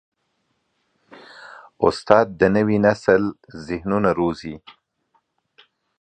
استاد د نوي نسل ذهنونه روزي.